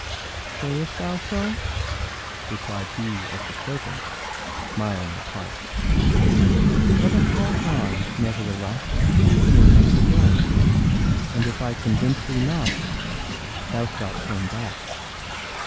â âSayest thou so?â replied he of the serpent, smiling apart. âLet us walk on, nevertheless, reasoning as we go; and if I convince thee not thou shalt turn back.